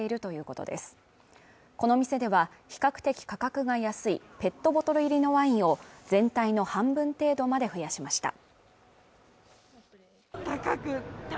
この店では比較的価格が安いペットボトル入りのワインを全体の半分程度まで増やしました